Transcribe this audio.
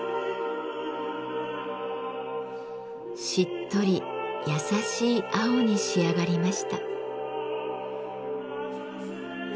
しっとり優しい青に仕上がりました。